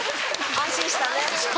安心したね。